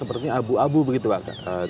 artinya abu abu pak